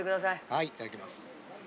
はいいただきます。